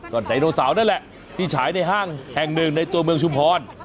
ก็ไดโนเสาร์นั่นแหละที่ฉายในห้างแห่งหนึ่งในตัวเมืองชุมพร